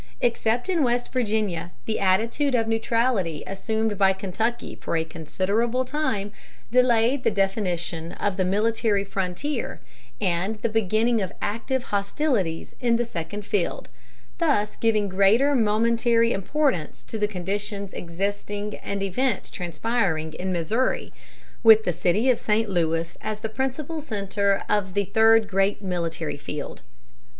Except in Western Virginia, the attitude of neutrality assumed by Kentucky for a considerable time delayed the definition of the military frontier and the beginning of active hostilities in the second field, thus giving greater momentary importance to conditions existing and events transpiring in Missouri, with the city of St. Louis as the principal center of the third great military field.